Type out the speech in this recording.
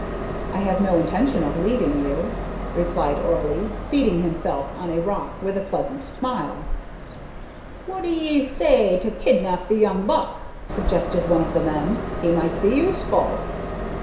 "I have no intention of leaving you," replied Orley, seating himself on a rock, with a pleasant smile. "What d'ee say to kidnap the young buck?" suggested one of the men; "he might be useful."